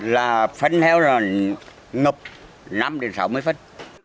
là phân heo là ngục năm đến sáu mươi phân